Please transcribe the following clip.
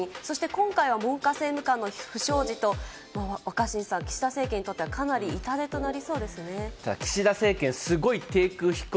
今回は文科政務官の不祥事と若新さん、岸田政権にとっては、かなり痛手となりそうですね。